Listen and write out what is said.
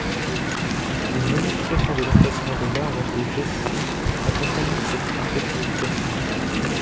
Une modification de l’emplacement de l’arbre de Jessé accompagne cette diversification.